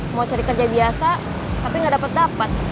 mau cari kerja biasa tapi gak dapet dapet